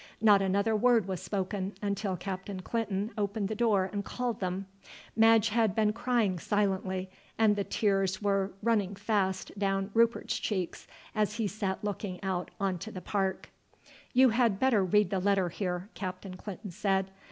Not another word was spoken until Captain Clinton opened the door and called them. Madge had been crying silently, and the tears were running fast down Rupert's cheeks as he sat looking out on to the park. "You had better read the letter here," Captain Clinton said.